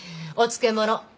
お漬物。